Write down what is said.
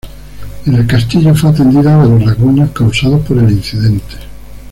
En el castillo fue atendida de los rasguños causados por el incidente.